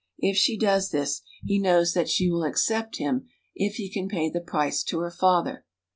If she does this, he knows that she THE PUEBLOS. 295 will accept him if he can pay the price to her father.